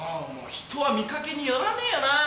人は見かけによらねえよな。